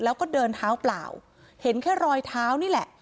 แล้วก็เดินเท้าเปล่าเห็นแค่รอยเท้านี่แหละ